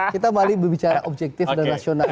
kita balik bicara objektif dan nasional